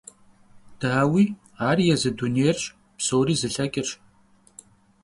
Дауи, ар езы дунейрщ, псори зылъэкӀырщ.